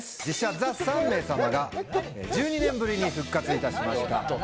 実写『ＴＨＥ３名様』が１２年ぶりに復活いたしました。